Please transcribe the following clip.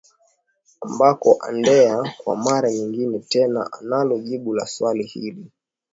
amboka andere kwa mara nyingine tena analo jibu la swali hili